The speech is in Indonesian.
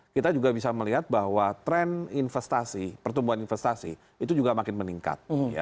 kita juga bisa melihat bahwa tren investasi pertumbuhan investasi itu juga makin meningkat